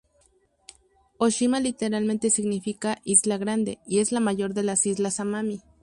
Ōshima literalmente significa isla grande, y es la mayor de las islas Amami.